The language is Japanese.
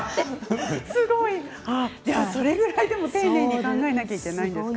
それぐらい丁寧に考えないといけないんですね。